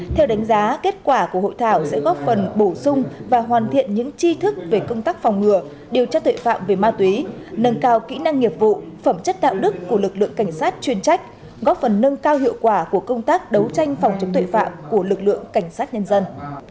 theo đánh giá kết quả của hội thảo sẽ góp phần bổ sung và hoàn thiện những chi thức về công tác phòng ngừa điều tra tuệ phạm về ma túy nâng cao kỹ năng nghiệp vụ phẩm chất đạo đức của lực lượng cảnh sát chuyên trách góp phần nâng cao hiệu quả của công tác đấu tranh phòng chống tội phạm của lực lượng cảnh sát nhân dân